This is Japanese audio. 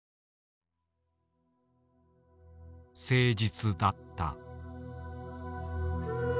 「誠実」だった。